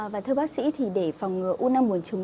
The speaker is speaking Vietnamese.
và thưa bác sĩ thì để phòng ngừa u nang bùng trứng